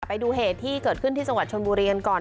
ไปดูเหตุที่เกิดขึ้นที่จังหวัดชนบุรีกันก่อน